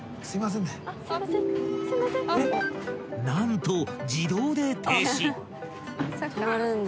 ［何と］